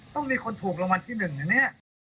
ต้องมีคนถูกระวันที่หนึ่งอ่ะเนี่ย